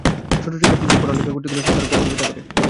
ছোটো লেখা পড়তে গেলে চোখ আর কপাল ব্যথা করে।